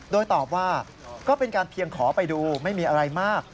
โดยตอบว่าก็เป็นการเพียงขอไปดูไม่มีอะไรมาก